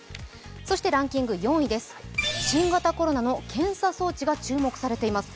そしてランキング４位、新型コロナの検査装置が注目されています。